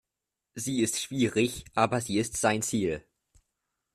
Sie ist schwierig, aber sie ist sein Ziel.